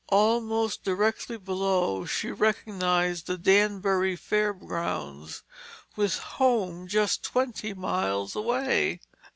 Almost directly below, she recognized the Danbury Fair Grounds, with home just twenty miles away.